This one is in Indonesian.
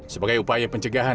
sebagai upaya pencegahan